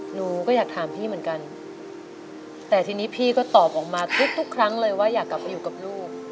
หนูก็อยากถามพี่เหมือนกันแต่ทีนี้พี่ก็ตอบออกมาทุกทุกครั้งเลยว่าอยากกลับไปอยู่กับลูก